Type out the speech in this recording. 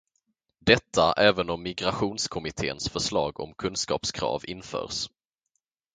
Detta även om Migrationskommitténs förslag om kunskapskrav införs.